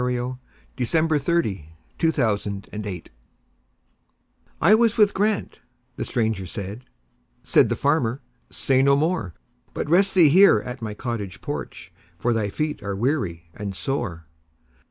By Francis BretHarte 748 The Aged Stranger "I WAS with Grant"—the stranger said; Said the farmer, "Say no more, But rest thee here at my cottage porch, For thy feet are weary and sore."